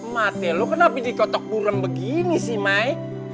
mate lo kenapa dikotok burung begini sih mai